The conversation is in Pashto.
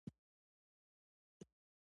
د پاچا هستوګنځي ته بوتلو.